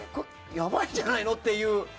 やばいんじゃないの？っていう。